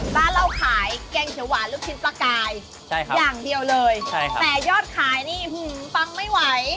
บ้านเราขายแกงเขียวหวานลูกชิ้นปลากายอย่างเดียวเลยใช่ครับแต่ยอดขายนี่ปังไม่ไหว